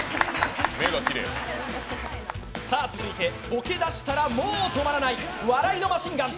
続いて、ボケだしたらもう止まらない笑いのマシンガン！